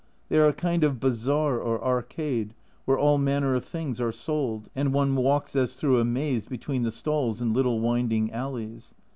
They are a kind of bazaar or arcade, where all manner of things are sold, and one walks as through a maze between the stalls in little winding alleys.